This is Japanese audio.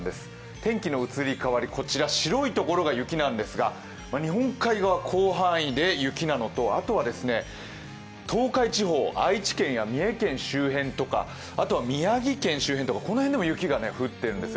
天気の移り変わり、こちら白いところが雪なんですが日本海側、広範囲で雪なのと、あとは、東海地方、愛知県や三重県周辺とかあとは宮城県周辺とかこの辺でも雪が降ってるんです。